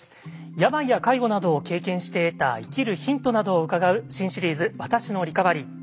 病や介護などを経験して得た生きるヒントなどを伺う新シリーズ「私のリカバリー」。